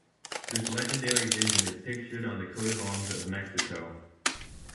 This legendary vision is pictured on the Coat of Arms of Mexico.